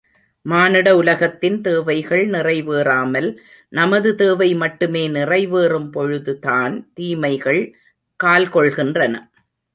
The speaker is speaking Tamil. மானிட உலகத்தின் தேவைகள் நிறைவேறாமல் நமது தேவை மட்டுமே நிறைவேறும்பொழுதுதான் தீமைகள் கால் கொள்கின்றன.